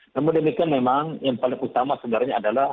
namun demikian memang yang paling utama sebenarnya adalah